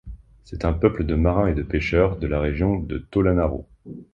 C'est un peuple de marins et de pêcheurs de la région de Tôlanaro.